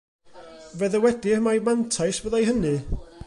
Fe ddywedir mai mantais fyddai hynny.